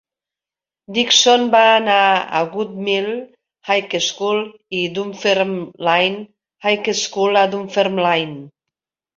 Dickson va anar a Woodmill High School i Dunfermline High School a Dunfermline.